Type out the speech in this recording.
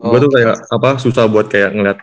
gue tuh kayak susah buat kayak ngeliat